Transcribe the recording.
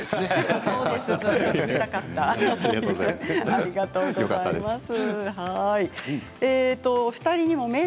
ありがとうございます。